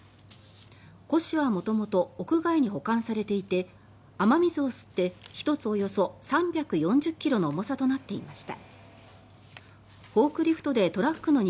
古紙は元々屋外に保管されていて雨水を吸って１つおよそ３４０ｋｇの重さとなっていました。